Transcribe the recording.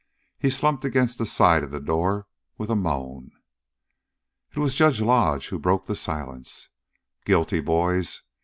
He slumped against the side of the door with a moan. It was Judge Lodge who broke the silence. "Guilty, boys.